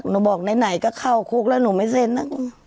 บอกไหนก็เข้าคุกแล้วหนูไม่เซ็น